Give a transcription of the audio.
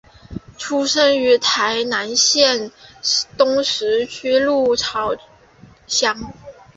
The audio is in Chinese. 出生于台南县东石区鹿草乡。